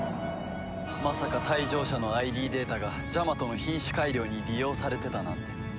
まさか退場者のＩＤデータがジャマトの品種改良に利用されてたなんて。